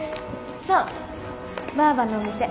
そうばあばのお店。